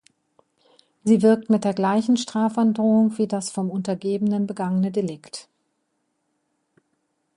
Sie wirkt mit der gleichen Strafandrohung wie das vom Untergebenen begangene Delikt.